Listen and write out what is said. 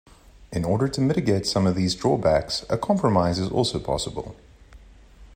In order to mitigate some of these drawbacks, a compromise is also possible.